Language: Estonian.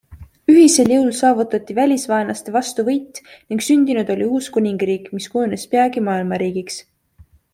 Ühisel jõul saavutati välisvaenlaste vastu võit ning sündinud oli uus kuningriik, mis kujunes peagi maailmariigiks.